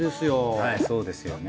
はいそうですよね。